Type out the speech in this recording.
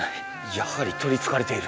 やはり取り憑かれている。